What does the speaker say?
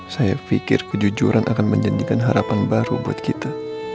saya pikir kejujuran akan menjanjikan harapan baru buat kita